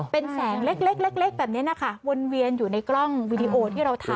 เป็นแสงเล็กแบบนี้นะคะวนเวียนอยู่ในกล้องวิดีโอที่เราทำ